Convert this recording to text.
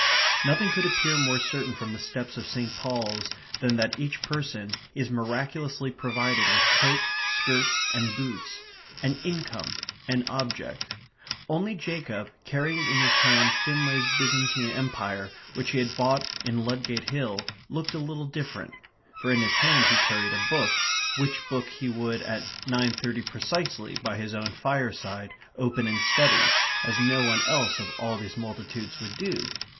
Nothing could appear more certain from the steps of St. Paul's than that each person is miraculously provided with coat, skirt, and boots; an income; an object. Only Jacob, carrying in his hand Finlay's Byzantine Empire, which he had bought in Ludgate Hill, looked a little different; for in his hand he carried a book, which book he would at nine thirty precisely, by his own fireside, open and study, as no one else of all these multitudes would do.